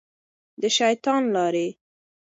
د شیطان لارې.